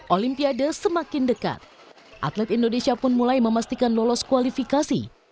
olimpiade semakin dekat atlet indonesia pun mulai memastikan lolos kualifikasi